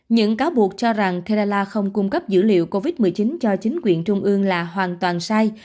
những cáo buộc cho rằng thela không cung cấp dữ liệu covid một mươi chín cho chính quyền trung ương là hoàn toàn sai